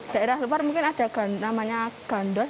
daerah luar mungkin ada namanya gandos